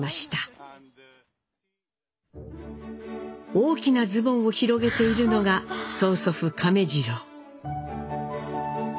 大きなズボンを広げているのが曽祖父亀治郎。